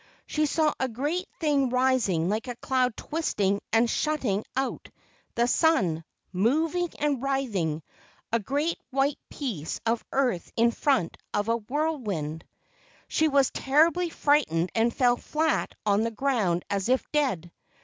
She saw a great thing rising like a cloud twisting and shutting out the sun, moving and writhing—a great white piece of earth in front of a whirlwind. She was terribly frightened and fell flat on the ground as if dead.